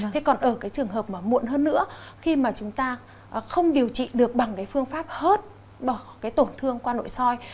thế còn ở trường hợp mà muộn hơn nữa khi mà chúng ta không điều trị được bằng phương pháp hết tổn thương qua nội soi